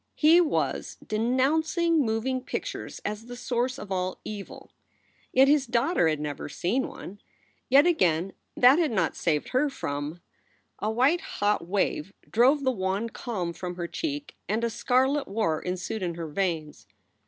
He was denouncing moving pictures as the source of all evil. Yet his daughter had never seen one. Yet again that had not saved her from A white hot wave drove the wan calm from her cheek, and a scarlet war ensued in her veins.